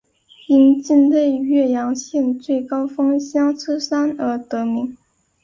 因境内岳阳县最高峰相思山而得名。